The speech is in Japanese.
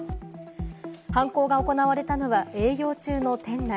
犯行が行われたのは営業中の店内。